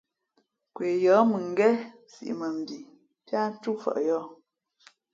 Nkwe yᾱᾱ mʉ̄ngén siʼ mά mbhi pí ǎ túmfαʼ yōh.